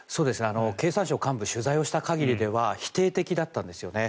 経産省幹部を取材した限りでは否定的だったんですね。